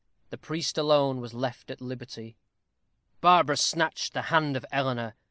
The priest alone was left at liberty. Barbara snatched the hand of Eleanor.